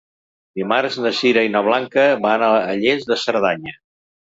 Dimarts na Sira i na Blanca van a Lles de Cerdanya.